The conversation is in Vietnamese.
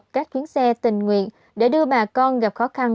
các chuyến xe tình nguyện để đưa bà con gặp khó khăn